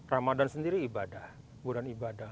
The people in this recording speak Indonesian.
ramadan sendiri ibadah